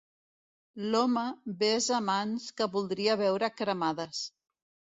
L'home besa mans que voldria veure cremades.